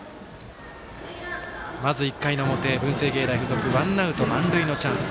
まず１回の表、文星芸大付属ワンアウト満塁のチャンス。